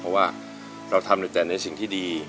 เพราะว่าเราทำแต่ในสิ่งที่ดี